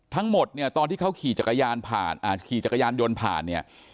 ทั้งหมดเนี่ยตอนที่เขาขี่จักรยานผ่านขี่จักรยานยนต์ผ่านเนี่ย